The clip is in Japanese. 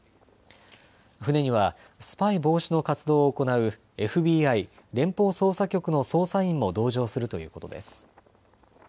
船にはスパイ防止の活動を行うＦＢＩ・連邦捜査局の捜査員も同乗するということです。